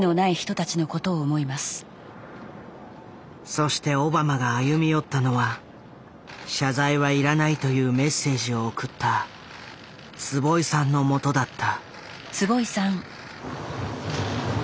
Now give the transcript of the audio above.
そしてオバマが歩み寄ったのは謝罪はいらないというメッセージを送った坪井さんのもとだった。